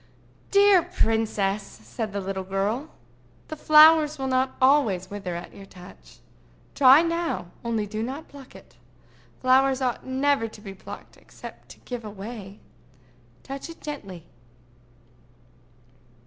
"Dear princess!" said the little girl, "the flowers will not always wither at your touch. Try now—only do not pluck it. Flowers ought never to be plucked except to give away. Touch it gently."